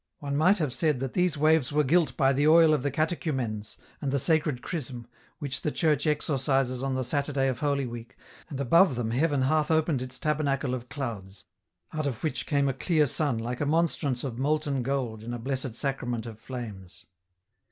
One might have said that these waves were gilt by the oil of the catechumens, and the sacred Chrism, which the Church exorcises on the Saturday of Holy Week, and above them heaven half opened its tabernacle of clouds, out of which came a clear sun like a monstrance of molten gold in a Blessed Sacrament of flames.